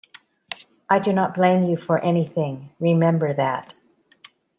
I do not blame you for anything; remember that.